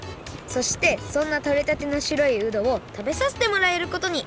そしてそんなとれたてのしろいうどをたべさせてもらえることに！